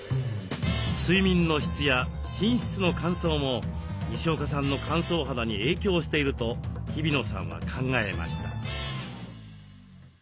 睡眠の質や寝室の乾燥もにしおかさんの乾燥肌に影響していると日比野さんは考えました。